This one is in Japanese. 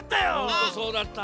ホントそうだった。